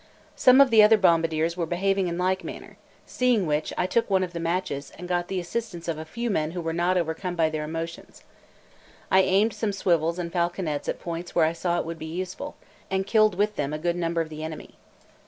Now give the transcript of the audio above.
Some of the other bombardiers were behaving in like manner; seeing which, I took one of the matches, and got the assistance of a few men who were not overcome by their emotions. I aimed some swivels and falconets at points where I saw it would be useful, and killed with them a good number of the enemy.